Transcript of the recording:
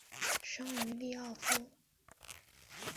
生于利沃夫。